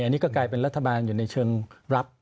อันนี้ก็กลายเป็นรัฐบาลอยู่ในเชิงรับ